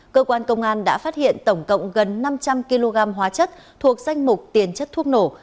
cơ quan công an đã phát hiện tổng cộng gần năm trăm linh kg hóa chất thuộc danh mục tiền chất thuốc nổ